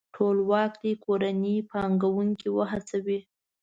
ټولواک دې کورني پانګوونکي وهڅوي.